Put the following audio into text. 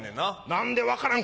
何で分からん？